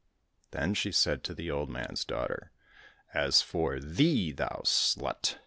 Then she said to the old man's daughter, '' As for thee, thou slut